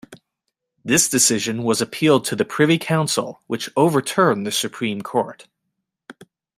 This decision was appealed to the Privy Council, which overturned the Supreme Court.